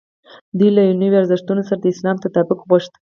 دوی له نویو ارزښتونو سره د اسلام تطابق غوښت.